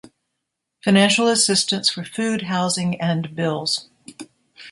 Financial Assistance for Food, Housing, and Bills